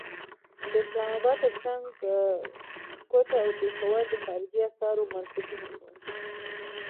د اسلام اباد تر څنګ کوټه او پېښور د خارجي اسعارو مرکزونه شول.